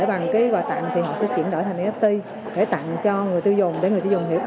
bằng cái quà tặng thì họ sẽ chuyển đổi thành aft để tặng cho người tiêu dùng để người tiêu dùng hiểu